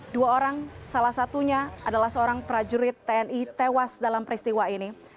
dua orang salah satunya adalah seorang prajurit tni tewas dalam peristiwa ini